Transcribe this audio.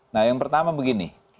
nah yang pertama begini